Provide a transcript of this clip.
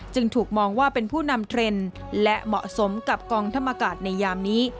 จึงถูกมองว่าเป็นผู้นำเทรนด์และเหมาะสมกับกองทัพอากาศในยามนี้